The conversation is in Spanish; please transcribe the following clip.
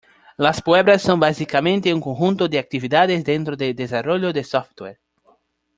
Las pruebas son básicamente un conjunto de actividades dentro del desarrollo de software.